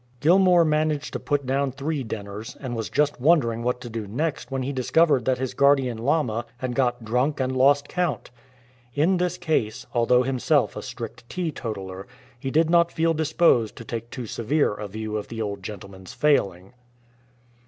Gilmour managed to put down three dinners, and was just wondering what to do next when he dis covered that his guardian lama had got drunk and lost count. In this case, although himself a strict teetotaler, he did not feel disposed to take too severe a view of the old gentleman'*s failing.